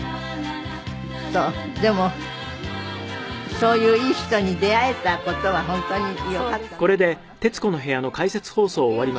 そういういい人に出会えた事は本当によかったなと思いますよね。